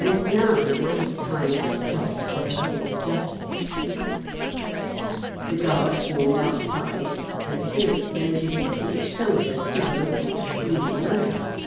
And now it was time to start for the Hall of Justice. The guard formed outside, and Philip noticed that each soldier stood on a sort of green mat.